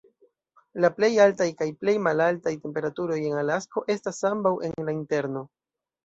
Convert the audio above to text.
La plej altaj kaj plej malaltaj temperaturoj en Alasko estas ambaŭ en la Interno.